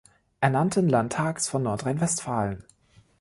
Ernannten Landtags von Nordrhein-Westfalen.